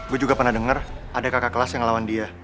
gue juga pernah dengar ada kakak kelas yang ngelawan dia